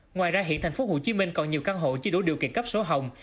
ngoài ra hiện tp hcm còn nhiều căn hộ chưa đủ điều kiện cấp sổ hồng